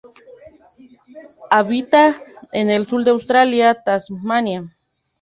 Habita en el sur de Australia, Tasmania.